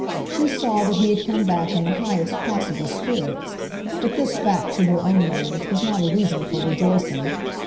She saw that he had come back in the highest possible spirits; but this fact, to her own mind, was not a reason for rejoicing.